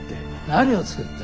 何を作った？